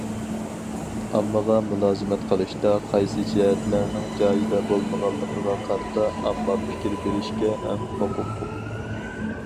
ئاممىغا مۇلازىمەت قىلىشتا قايسى جەھەتلەرنىڭ جايىدا بولمىغانلىقىغا قارىتا، ئامما پىكىر بېرىشكە ئەڭ ھوقۇقلۇق.